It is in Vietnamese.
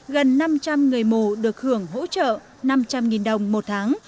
gần năm trăm linh người mù được hưởng hỗ trợ năm trăm linh đồng một tháng